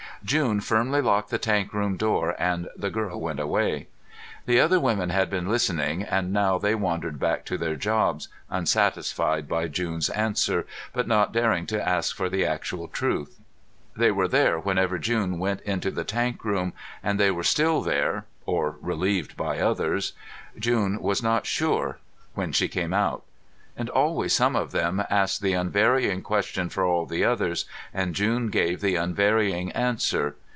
June firmly locked the tank room door and the girl went away. The other women had been listening, and now they wandered back to their jobs, unsatisfied by June's answer, but not daring to ask for the actual truth. They were there whenever June went into the tank room, and they were still there or relieved by others; June was not sure when she came out. And always some one of them asked the unvarying question for all the others, and June gave the unvarying answer.